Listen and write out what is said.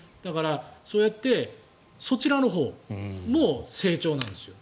そうやって、そちらのほうも成長なんですよ。